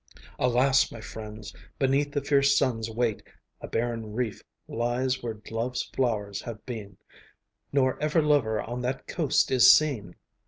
Alas, my friends! beneath the fierce sun's weight A barren reef lies where Love's flowers have been, Nor ever lover on that coast is seen!